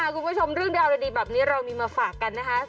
คุณผู้ชมเรื่องราวดีแบบนี้เรามีมาฝากกันนะคะ